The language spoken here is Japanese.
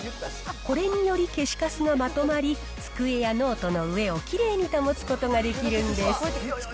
これにより消しカスがまとまり、机やノートの上をきれいに保つことができるんです。